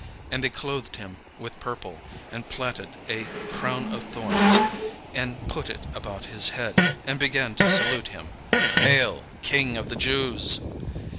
And they clothed him with purple, and platted a crown of thorns, and put it about his head, and began to salute him: "Hail, King of the Jews!"